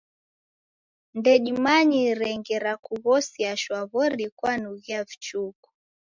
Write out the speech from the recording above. Ndedimanyire ngera kughosia shwaw'ori kwanughi vichuku.